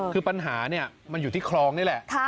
คือปัญหาเนี่ยมันอยู่ที่คลองนี่แหละ